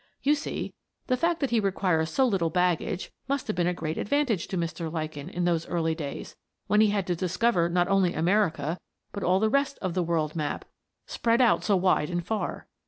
You see, the fact that he requires so little baggage must have been a great advantage to Mr. Lichen in those early days, when he had to discover not only America but all the rest of the world map, spread out so wide and far.